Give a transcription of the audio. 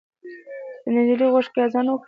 چې د نجلۍ غوږ کې اذان وکړئ